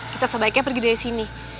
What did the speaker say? kita sebaiknya pergi dari sini